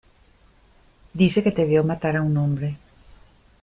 dice que te vio matar a un hombre.